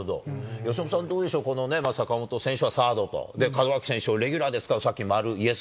由伸さん、どうでしょう、坂本選手はサードと、門脇選手をレギュラーで使う。